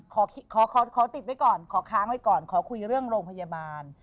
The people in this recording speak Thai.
ขอขอติดไว้ก่อนขอค้างไว้ก่อนขอคุยเรื่องโรงพยาบาล